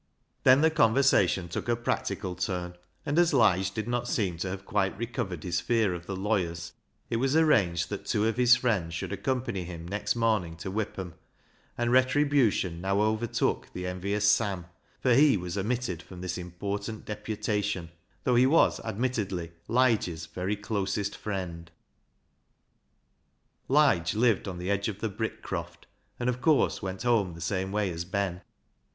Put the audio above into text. Then the conversation took a practical turn, and as Lige did not seem to have quite recovered his fear of the lawyers, it LIGE'S LEGACY 157 was arranged that two of his friends should accompany him next morning to Whipham ; and retribution now overtook the envious Sam, for he was omitted from this important deputation, though he was admittedly Lige's very closest friend. Lige lived on the edge of the Brickcroft, and, of course, went home the same way as Ben.